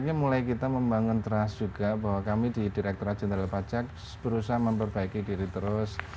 ini mulai kita membangun trust juga bahwa kami di direkturat jenderal pajak berusaha memperbaiki diri terus